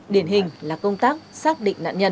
điển hình là công tác xác định nạn nhân